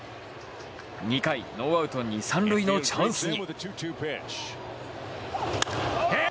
２回ノーアウト二・三塁のチャンスに。